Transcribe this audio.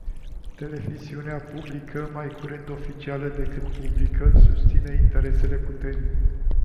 Televiziunea publică mai curând oficială decât publică, susținea interesele puterii.